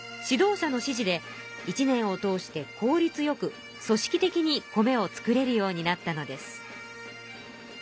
指導者の指示で一年を通して効率よく組織的に米を作れるようになったのです。